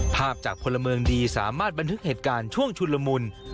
ภาพจากพลเมืองดีสามารถบันทึกเหตุการณ์ช่วงชุนละมุน